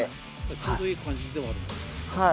ちょうどいい感じではあるんはい。